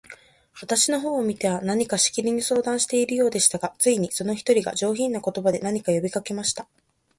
私の方を見ては、何かしきりに相談しているようでしたが、ついに、その一人が、上品な言葉で、何か呼びかけました。